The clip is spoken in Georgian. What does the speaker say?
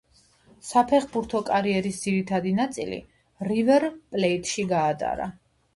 საფეხბურთო კარიერის ძირითადი ნაწილი „რივერ პლეიტში“ გაატარა.